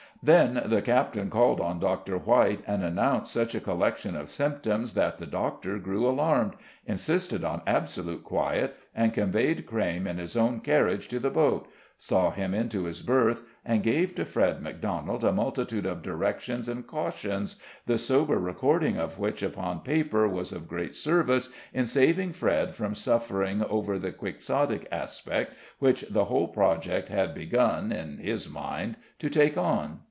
Then the captain called on Dr. White, and announced such a collection of symptoms that the doctor grew alarmed, insisted on absolute quiet, and conveyed Crayme in his own carriage to the boat, saw him into his berth, and gave to Fred Macdonald a multitude of directions and cautions, the sober recording of which upon paper was of great service in saving Fred from suffering over the Quixotic aspect which the whole project had begun, in his mind, to take on.